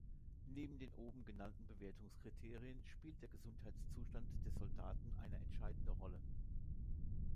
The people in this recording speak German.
Neben den oben genannten Bewertungskriterien spielt der Gesundheitszustand des Soldaten eine entscheidende Rolle.